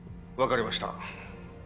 わかりました。